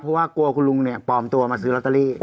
เพราะว่ากลัวคุณลุงเนี่ยปลอมตัวมาซื้อลอตเตอรี่